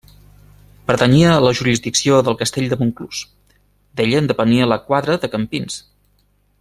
Pertanyia a la jurisdicció del castell de Montclús; d'ella en depenia la quadra de Campins.